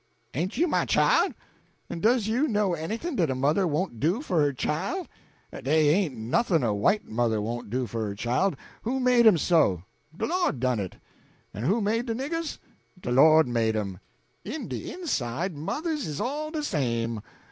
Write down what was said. "Ain't you my chile? En does you know anything dat a mother won't do for her chile? Day ain't nothin' a white mother won't do for her chile. Who made 'em so? De Lord done it. En who made de niggers? De Lord made 'em. In de inside, mothers is all de same.